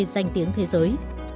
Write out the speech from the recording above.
danh tiếng thế giới